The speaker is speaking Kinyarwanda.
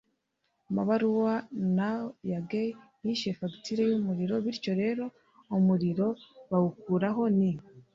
amabaruwa Naw Gay ntiyishyuye fagitire y umuriro bityo rero umuriro bawukuraho Ni